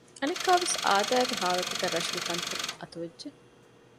އަނެއްކާވެސް އާދައިގެ ހާލަތަކަށް ރަށުގެ ކަންތައް އަތުވެއްޖެ